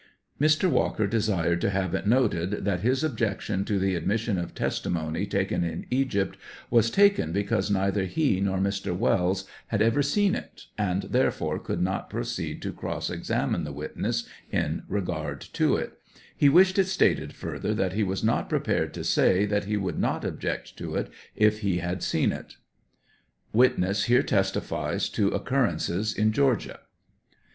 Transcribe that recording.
£Mr. Walker desired to have it noted that his objec tion to the admission of testimony taken in Egypt was taken because neither he nor Mr. Wells had ever seen it, and therefore could not proceed to cross exam ine the witness in regard to it ; he wished it stated, further, that he was not prepared to say that he would not object to it if he had seen it.] (Witness here testifies as to occurrences in Georgia.)